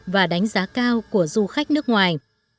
và đánh giá cao của du khách nước ngoài